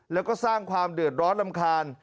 แล้วก็สร้างความเดือดร้อนรำคาญ